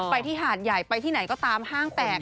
ที่หาดใหญ่ไปที่ไหนก็ตามห้างแตก